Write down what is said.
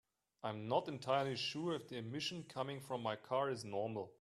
I'm not entirely sure if the emission coming from my car is normal.